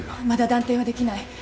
まだ断定はできない。